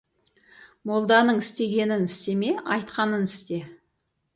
Молданың істегенін істеме, айтқанын істе.